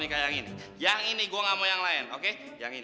ihh juragan aduh sakit